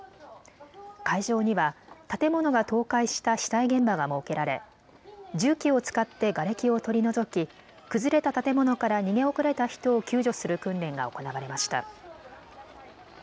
会場には建物が倒壊した被災現場が設けられ重機を使ってがれきを取り除き崩れた建物から逃げ遅れた人を救助する訓練が行われました。